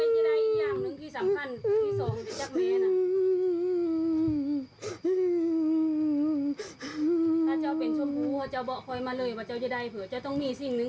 นั่งนั่งนั่งนั่งนั่งนั่งนั่งนั่งนั่งนั่งนั่งนั่งนั่งนั่งนั่ง